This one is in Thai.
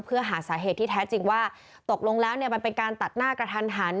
เพื่อหาสาเหตุที่แท้จริงว่าตกลงแล้วเนี่ยมันเป็นการตัดหน้ากระทันหัน